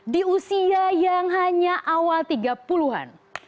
di usia yang hanya awal tiga puluh an